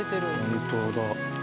本当だ。